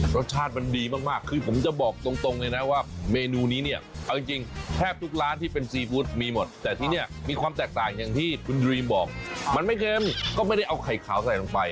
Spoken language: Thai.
รสชาติมันดีมากคือผมจะบอกตรงเลยนะว่าเมนูนี้เนี่ยเอาจริงแทบทุกร้านที่เป็นซีฟู้ดมีหมดแต่ที่เนี่ยมีความแตกต่างอย่างที่คุณดรีมบอกมันไม่เค็มก็ไม่ได้เอาไข่ขาวใส่ลงไป